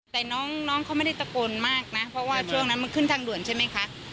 แต่น้องเขาไม่ได้ตะโกนมากนะเพราะว่าช่วงนั้นมันขึ้นทางด่วนใช่ไหมคะ